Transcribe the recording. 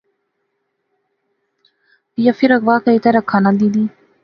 یا فیر اغوا کری تے رکھا ناں دینی